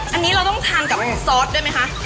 อันนี้เราต้องทานกับซอสด้วยไหมคะ